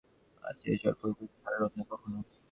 সেই জ্বর পুরোপুরি ছাড়ল না কখনো।